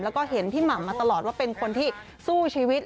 แล้วก็เห็นพี่หม่ำมาตลอดว่าเป็นคนที่สู้ชีวิต